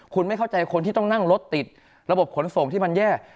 คุณไม่เข้าใจคนที่ต้องนั่งรถติดระบบขนส่งที่มันแย่